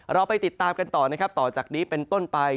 เราไปติดตามกันต่อนะครับต่อจากนี้เป็นต้นไป